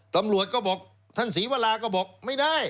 ตำรวจก็บอกท่านศรีวราก็บอกไม่ได้